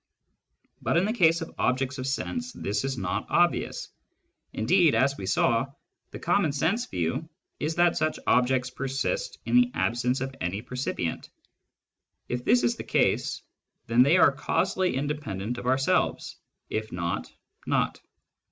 But in the case of objects of sense this is not obvious ; indeed, as we saw, the common sense view is that such objects persist in the absence pf any percipient. If this is the case, then they are causally independent of our selves ; if not, not.